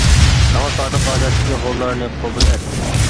-ساڭا سادىق ئادەتتىكى ھونلارنى قوبۇل ئەت.